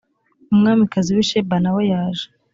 umwamikazi w i sheba na we yaje